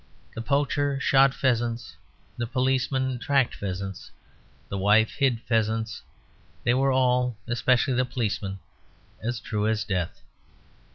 The poacher shot pheasants; the policeman tracked pheasants; the wife hid pheasants; they were all (especially the policeman) as true as death.